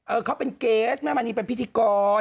เขาเป็นเกสแม่มณีเป็นพิธีกร